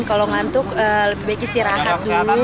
kalau ngantuk lebih baik istirahat